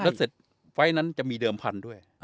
แล้วเสร็จไฟล์นั้นจะมีเดิมพันธุ์ด้วย